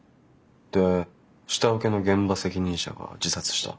で下請けの現場責任者が自殺した。